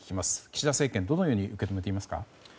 岸田政権はどのように受け止めていますか。